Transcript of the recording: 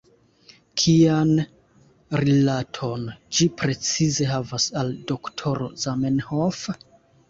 Kian rilaton ĝi precize havas al doktoro Zamenhof?